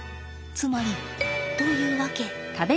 つまりというわけ。